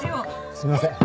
すみません。